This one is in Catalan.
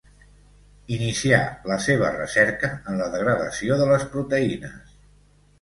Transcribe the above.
Inicià la seva recerca en la degradació de les proteïnes.